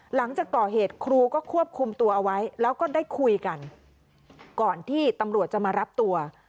หลังจากก่อเหตุครูก็ควบคุมตัวเอาไว้แล้วก็ได้คุยกันก่อนที่ตำรวจจะมารับตัว